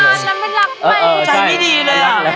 จ้าอันนั้นมันรักไม่ดีเลย